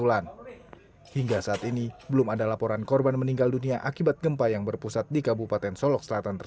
dan bagaimana juga masyarakat yang berwisata